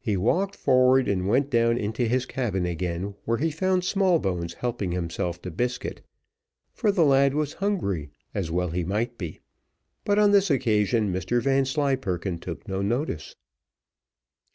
He walked forward, and went down into his cabin again, where he found Smallbones helping himself to biscuit, for the lad was hungry, as well he might be; but on this occasion Mr Vanslyperken took no notice.